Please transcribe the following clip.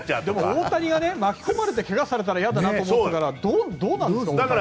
大谷が巻き込まれて怪我されたら嫌だなと思うからどうなんですか？